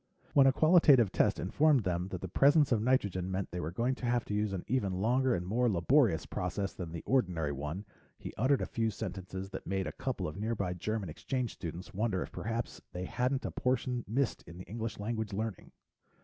When a qualitative test informed them that the presence of nitrogen meant they were going to have to use an even longer and more laborious process than the ordinary one, he uttered a few sentences that made a couple of nearby German exchange students wonder if perhaps they hadn't a portion missed in the English language learning.